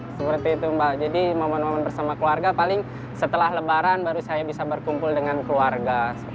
seperti itu mbak jadi momen momen bersama keluarga paling setelah lebaran baru saya bisa berkumpul dengan keluarga